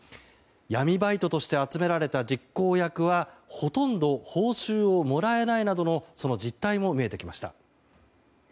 闇バイトとして集められた実行役はほとんど報酬をもらえないなどの実態も見えてきました。